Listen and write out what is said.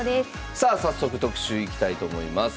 さあ早速特集いきたいと思います。